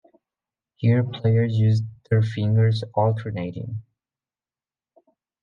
Here players use there fingers alternating.